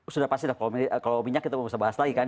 sudah pasti kalau minyak kita bisa bahas lagi kan